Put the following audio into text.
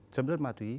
xâm rớt mặt túy